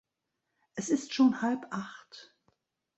Es ist schon halb acht.